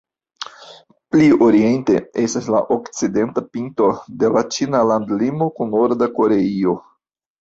Pli oriente estas la okcidenta pinto de la ĉina landlimo kun Norda Koreio.